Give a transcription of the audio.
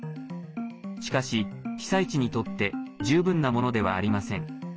しかし、被災地にとって十分なものではありません。